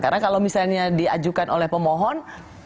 karena kalau misalnya diajukan oleh pemohon